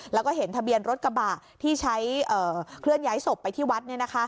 แล้วก็เห็นทะเบียนรถกระบะที่ใช้เคลื่อนย้ายศพไปที่วัด